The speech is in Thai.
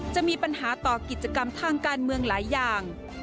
จะมีปัญหาต่อกิจกรรมทางการเมืองหลายอย่าง